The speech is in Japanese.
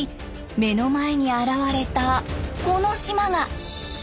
目の前に現れたこの島が。